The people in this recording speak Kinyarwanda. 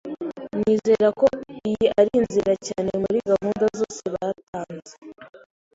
Nizera ko iyi ari nziza cyane muri gahunda zose batanze.